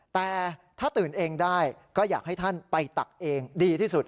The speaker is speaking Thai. แต่ถ้าตื่นเองได้ก็อยากให้ท่านไปตักเองดีที่สุด